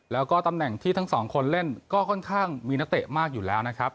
แล้วก็ตำแหน่งที่ทั้งสองคนเล่นก็ค่อนข้างมีนักเตะมากอยู่แล้วนะครับ